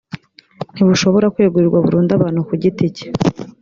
ntibushobora kwegurirwa burundu abantu ku giti cye